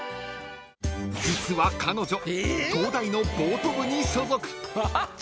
［実は彼女東大のボート部に所属］